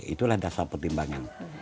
itulah dasar pertimbangan